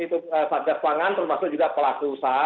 baik itu sahgas pangan termasuk juga pelaku usaha